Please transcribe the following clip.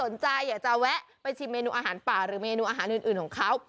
สนใจอยากจะแวะไปชิมเมนูอาหารป่าหรือเมนูอาหารอื่นของเขา